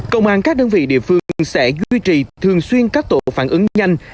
công an các đơn vị địa phương sẽ duy trì thường xuyên các tổ phản ứng nhanh